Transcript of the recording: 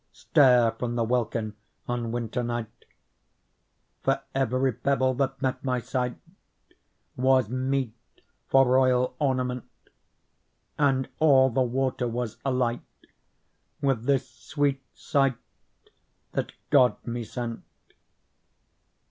Stare from the welkin on winter night ; For every pebble that met my sight Was meet for royal ornament, And all the water was alight With this sweet sight that God me sent.